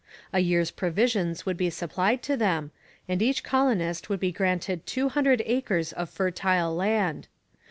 A year's provisions would be supplied to them, and each colonist would be granted two hundred acres of fertile land.